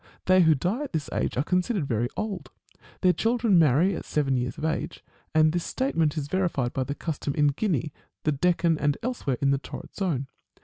They who die at this age are considered very old. Their children marry at seven years of age : and this state ment is verified by the custom in Guinea, the Deccan, and elsewhere in the torrid zone.